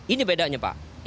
ini bedanya pak